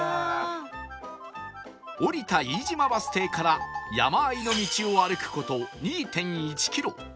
降りた飯島バス停から山あいの道を歩く事 ２．１ キロ